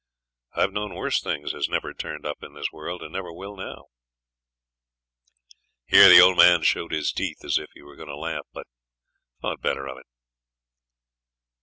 I've known worse things as never turned up in this world, and never will now.' Here the old man showed his teeth as if he were going to laugh, but thought better of it.